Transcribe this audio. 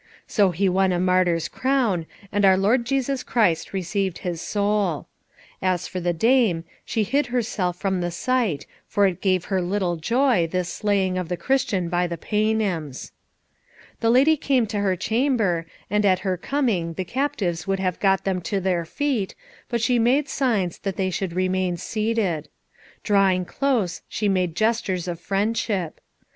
So he won a martyr's crown, and our Lord Jesus Christ received his soul. As for the dame, she hid herself from the sight, for it gave her little joy, this slaying of the Christian by the Paynims. The lady came to her chamber, and at her coming the captives would have got them to their feet, but she made signs that they should remain seated. Drawing close she made gestures of friendship.